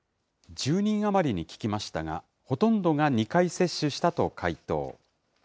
１０人余りに聞きましたが、ほとんどが２回接種したと回答。